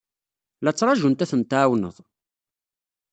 La ttṛajunt ad tent-tɛawned.